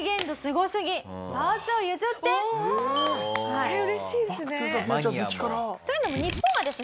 これは嬉しいですね。